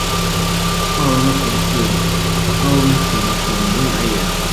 奥恩河是奥恩省的省名来源。